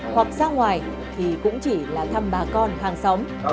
hoặc ra ngoài thì cũng chỉ là thăm bà con hàng xóm